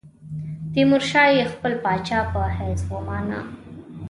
تیمورشاه یې خپل پاچا په حیث ومانه.